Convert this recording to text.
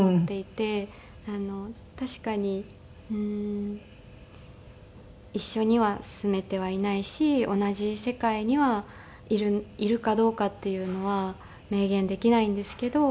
確かにうーん一緒には住めてはいないし同じ世界にはいるかどうかっていうのは明言できないんですけど。